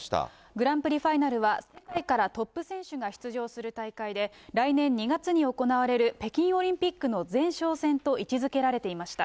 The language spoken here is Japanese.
グランプリファイナルは、世界からトップ選手が出場する大会で、来年２月に行われる北京オリンピックの前哨戦と位置づけられていました。